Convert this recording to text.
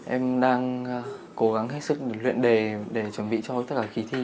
em đang cố gắng hết sức luyện đề để chuẩn bị cho tất cả kỳ thi